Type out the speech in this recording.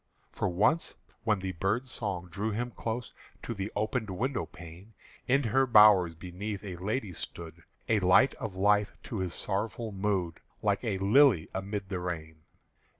For once, when the bird's song drew him close To the opened window pane, In her bowers beneath a lady stood, A light of life to his sorrowful mood, Like a lily amid the rain.